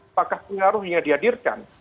apakah pengaruh yang dihadirkan